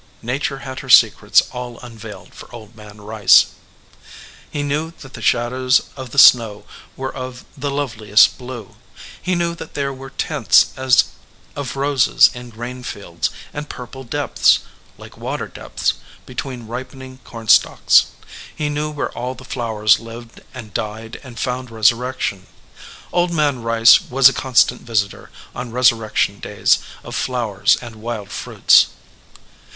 Nature had her secrets all unveiled for Old Man Rice. He knew that the shadows on the snow were of the loveliest blue ; he knew that there were tints as of roses in grain fields, and purple depths, like water depths, between ripening cornstalks. He knew where all the flowers lived and died and found 27 EDGEWATER PEOPLE resurrection. Old Man Rice was a constant visitor on resurrection days of flowers and wild fruits.